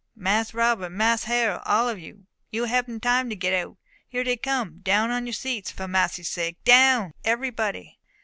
Mas' Robert Mas' Harrol! All of you! You habn't time to git out! Here dey come! Down on your seats! For massy's sake, down! ebery body!"